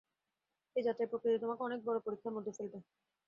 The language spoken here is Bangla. এই যাত্রায় প্রকৃতি তোমাকে অনেক পরীক্ষার মধ্যে ফেলবে।